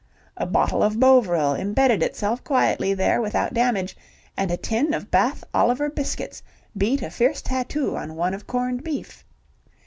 A bottle of Bovril embedded itself quietly there without damage, and a tin of Bath Oliver biscuits beat a fierce tattoo on one of corned beef.